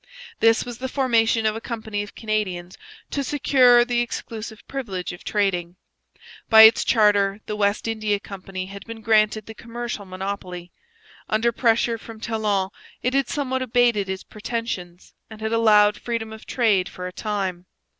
This was the formation of a company of Canadians to secure the exclusive privilege of trading. By its charter, the West India Company had been granted the commercial monopoly. Under pressure from Talon it had somewhat abated its pretensions and had allowed freedom of trade for a time.